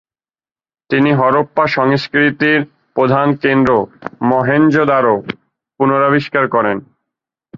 তিনি হরপ্পা সংস্কৃতির প্রধান কেন্দ্র মহেঞ্জোদাড়ো পুনরাবিষ্কার করেন।